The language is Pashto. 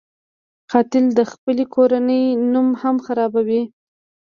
قاتل د خپلې کورنۍ نوم هم خرابوي